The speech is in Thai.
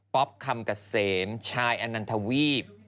ป๊อบคำกาเสมชายอนั่นเทวีฟ